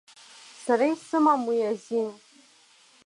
Сара исымам уи азин.